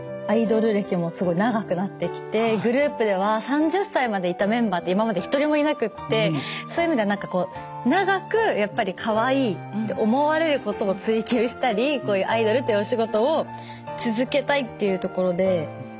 アイドル歴もすごい長くなってきてグループでは３０歳までいたメンバーって今まで一人もいなくってそういう意味では何かこう長くやっぱりかわいいって思われることを追求したりこういうアイドルってお仕事を続けたいっていうところで。